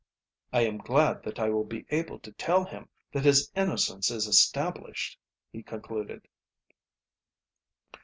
"I am glad that I will be able to tell him that his innocence is established," he concluded.